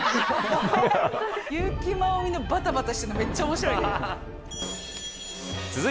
優木まおみのバタバタしてるのめっちゃおもしろい。